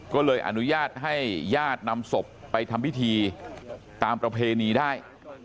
ก็เลยอนุญาตให้ญาตินำศพไปทำพิธีตามประเพณีได้